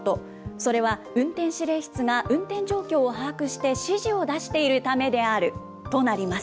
それは運転指令室が運転状況を把握して、指示を出しているためであるとなります。